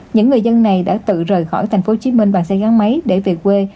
những người dân này đã tự rời khỏi thành phố hồ chí minh bằng xe gắn máy để về quê